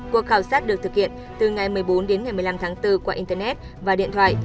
cuộc khảo sát được thực hiện từ ngày một mươi bốn đến ngày một mươi năm tháng bốn qua internet và điện thoại